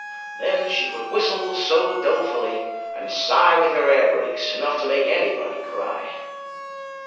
Then she would whistle so dolefully, and sigh with her air brakes enough to make anybody cry.